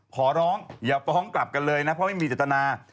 ขอร้องอย่าฟ้องกลับกันเลยนะเพราะไม่มีเจตนา